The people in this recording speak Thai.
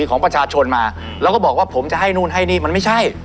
ของประชาชนมาแล้วก็บอกว่าผมจะให้นู่นให้นี่มันไม่ใช่